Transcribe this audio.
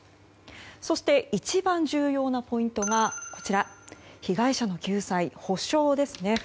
そして、一番重要なポイントが被害者の救済、補償ですね。